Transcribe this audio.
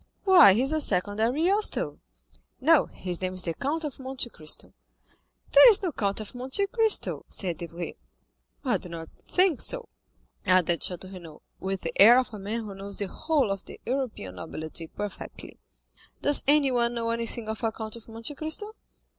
"Why, he is a second Ariosto." "No, his name is the Count of Monte Cristo." "There is no Count of Monte Cristo" said Debray. "I do not think so," added Château Renaud, with the air of a man who knows the whole of the European nobility perfectly. "Does anyone know anything of a Count of Monte Cristo?"